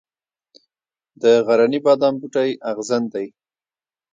د غرني بادام بوټی اغزنه دی